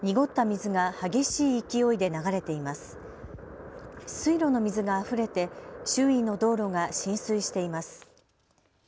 水路の水があふれて周囲の道路が浸水しています。